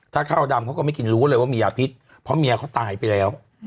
ถ้าข้าวดำเขาก็ไม่กินรู้เลยว่ามียาพิษเพราะเมียเขาตายไปแล้ว